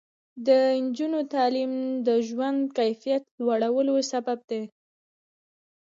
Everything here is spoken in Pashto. د نجونو تعلیم د ژوند کیفیت لوړولو سبب دی.